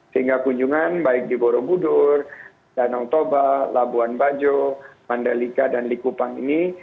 sehingga kunjungan baik di borobudur danau toba labuan bajo mandalika dan likupang ini